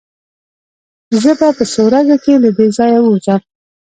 زه به په څو ورځو کې له دې ځايه ووځم.